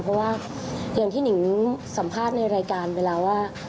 เพราะว่าอย่างที่หนิงสัมภาษณ์ในรายการไปแล้วว่า